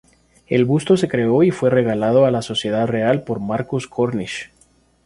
El busto se creó y fue regalado a la Sociedad Real por Marcus Cornish.